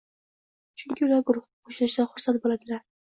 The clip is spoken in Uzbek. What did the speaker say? Chunki ular guruhga qo‘shilishdan xursand bo‘ladilar